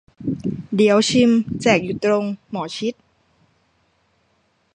เดี๋ยวชิม แจกอยู่ตรง หมอชิต